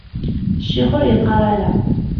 Ccix ur iqqaṛ: ala.